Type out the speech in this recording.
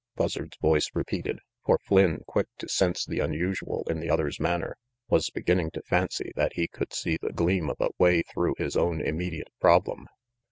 Buzzard's voice repeated, for Flynn, quick to sense the unusual in the other's manner, was beginning to fancy that he could see the gleam of a way through his own immediate problem.